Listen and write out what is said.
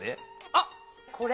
あっこれ？